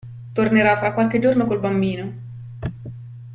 Tornerà fra qualche giorno col bambino.